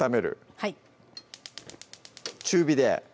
はい中火で？